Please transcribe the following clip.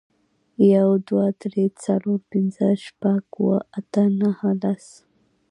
یو, دوه, درې, څلور, پنځه, شپږ, اووه, اته, نهه, لس